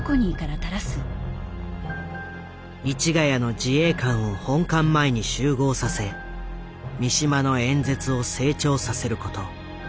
市ヶ谷の自衛官を本館前に集合させ三島の演説を静聴させること。